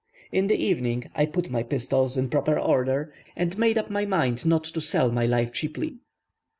In the evening I put my pistols in proper order, and made up my mind not to sell my life cheaply.